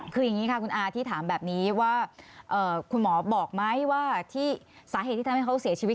คืออย่างนี้ค่ะคุณอาที่ถามแบบนี้ว่าคุณหมอบอกไหมว่าที่สาเหตุที่ทำให้เขาเสียชีวิต